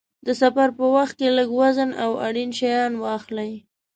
د سفر په وخت کې لږ وزن او اړین شیان واخلئ.